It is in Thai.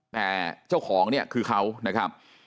แต่เจ้าของเนี่ยคือเขานะครับ